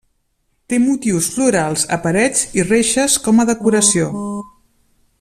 Té motius florals a parets i reixes com a decoració.